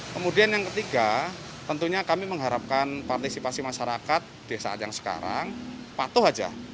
kemudian yang ketiga tentunya kami mengharapkan partisipasi masyarakat di saat yang sekarang patuh saja